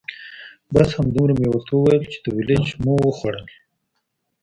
بس همدومره مې ورته وویل چې دولچ مو وخوړل.